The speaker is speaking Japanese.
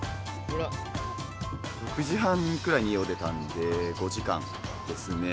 ６時半くらいに家を出たんで、５時間ですね。